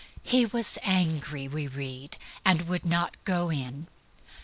"He was angry," we read, "and would not go in."